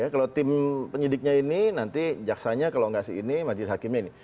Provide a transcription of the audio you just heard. kalau tim penyidiknya ini nanti jaksanya kalau ngasih ini majelis hakimnya ini